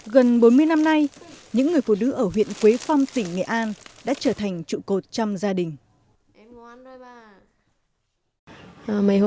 gần bốn mươi năm nay những người phụ nữ ở huyện quế phong tỉnh nghệ an đã trở thành trụ cột trong gia đình